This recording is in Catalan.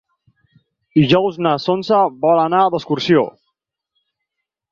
Dijous na Sança vol anar d'excursió.